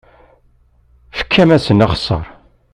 Fkem-asen axeṣṣar.